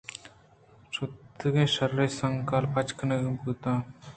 شُدیکیں شیر ءِ سانکل پچ کنگ بُوت اَنت